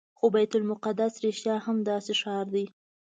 خو بیت المقدس رښتیا هم داسې ښار دی.